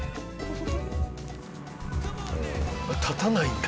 立たないんだ。